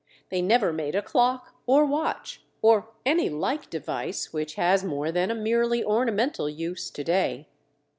They never made a clock or watch, or any like device which has more than a merely ornamental use to day.